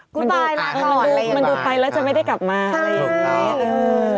สุดท้ายละครอนหมดหมด